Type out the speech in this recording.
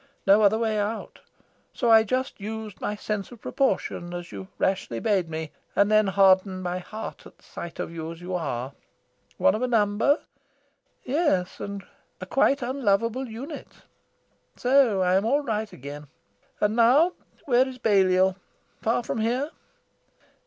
No other way out. So I just used my sense of proportion, as you rashly bade me, and then hardened my heart at sight of you as you are. One of a number? Yes, and a quite unlovable unit. So I am all right again. And now, where is Balliol? Far from here?"